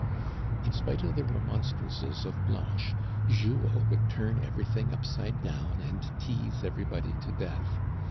In spite of the remonstrances of Blanche, Jules would turn everything upside down and tease everybody to death.